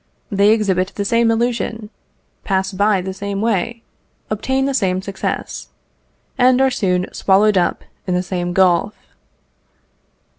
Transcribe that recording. They exhibit the same illusion, pass by the same way, obtain the same success, and are soon swallowed up in the same gulf.